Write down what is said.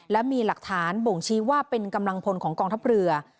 และมีหลักฐานบ่งชี้ว่าเป็นกำลังพลของกองทัพเรือ